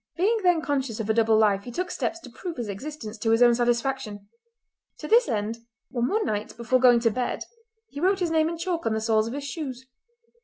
Being then conscious of a double life he took steps to prove its existence to his own satisfaction. To this end on one night before going to bed he wrote his name in chalk on the soles of his shoes.